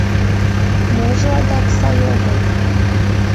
— Можо адак сай огыл?